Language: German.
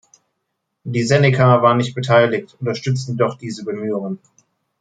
Die Seneca waren nicht beteiligt, unterstützten jedoch diese Bemühungen.